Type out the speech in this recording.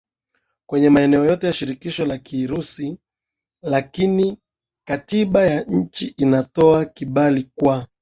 kwenye maeneo yote ya Shirikisho la Kirusi lakini katiba ya nchi inatoa kibali kwa